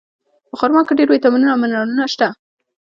په خرما کې ډېر ویټامینونه او منرالونه شته.